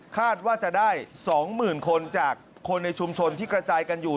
คาดว่าจะได้๒๐๐๐คนจากคนในชุมชนที่กระจายกันอยู่